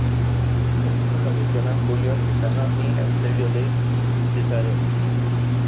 Tampoco lo mencionan Julio Africano ni Eusebio de Cesarea.